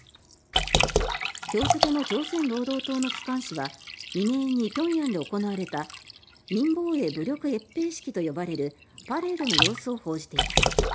今日付の朝鮮労働党の機関紙は未明に平壌で行われた民防衛武力閲兵式と呼ばれるパレードの様子を報じています。